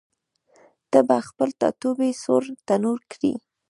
ته به هم خپل ټاټوبی سور تنور کړې؟